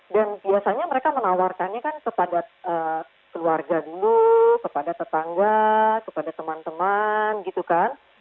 dan biasanya mereka menawarkannya kan kepada keluarga dulu kepada tetangga kepada teman teman gitu kan